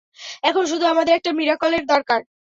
এখন শুধু আমাদের একটা মিরাকলের দরকার।